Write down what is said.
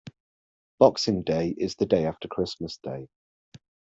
Boxing Day is the day after Christmas Day.